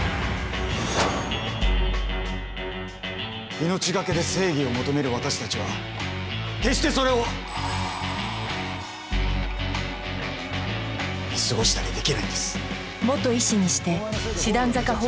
命がけで正義を求める私たちは決して、それを見過ごしたりできないんです。